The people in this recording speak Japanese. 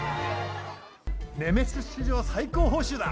ネメシス史上最高報酬だ。